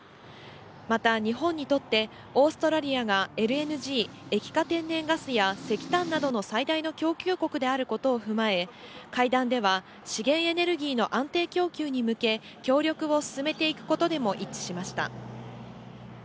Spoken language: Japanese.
また、日本にとって、オーストラリアがＬＮＧ・液化天然ガスや石炭などの最大の供給国であることを踏まえ、会談では資源エネルギーの安定供給に向け、協力を進めていくことでも一致しました。